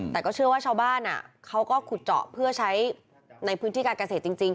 แต่ก็เชื่อว่าชาวบ้านเขาก็ขุดเจาะเพื่อใช้ในพื้นที่การเกษตรจริง